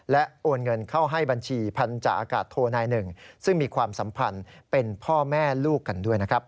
และโอนเงินเข้าให้บัญชีพันธาอากาศโทนายหนึ่งซึ่งมีความสัมพันธ์เป็นพ่อแม่ลูกกันด้วยนะครับ